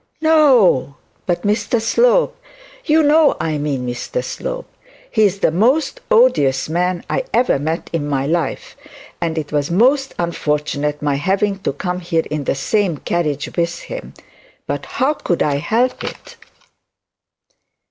'No; but Mr Slope. You know I mean Mr Slope. He's the most odious man I ever met in my life, and it was most unfortunate my having to come here in the same carriage with him. But how could I help it?'